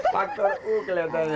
faktor u kelihatannya